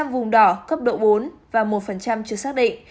một mươi vùng đỏ cấp độ bốn và một chưa xác định